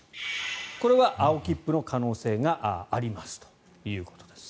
これは青切符の可能性がありますということです。